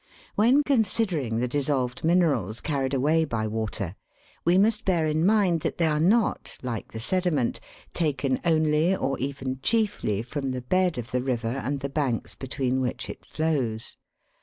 When considering the dissolved minerals carried away by water, we must bear in mind that they are not, like the sedi ment, taken only, or even chiefly, from the bed of the river and the banks between which it flows.